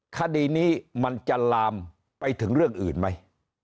คดีนี้มันจะลามไปถึงเรื่องอื่นไหม